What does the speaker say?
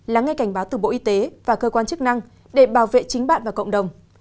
lắng nghe cảnh báo từ bộ y tế và cơ quan chức năng để bảo vệ chính bạn và cộng đồng